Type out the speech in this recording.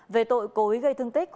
về tội cố ý gây thương tích